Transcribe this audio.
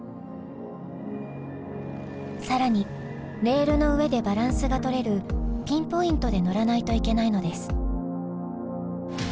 更にレールの上でバランスが取れるピンポイントで乗らないといけないのです。